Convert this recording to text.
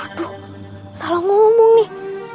aduh salah ngomong nih